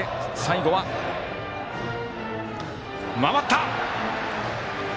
回った！